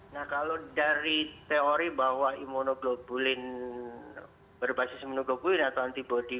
nah kalau dari teori bahwa immunoglobulin berbasis immunoglobulin atau antibody ya